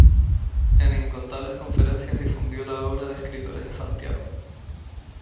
En incontables conferencias difundió la obra de escritores de Santiago.